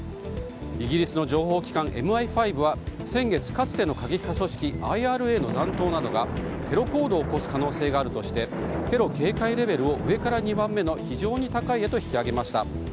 イギリスの情報機関ＭＩ５は先月かつての過激派組織ＩＲＡの残党などがテロ行動を起こす可能性があるとしてテロ警戒レベルを上から２番目の「非常に高い」へ引き上げました。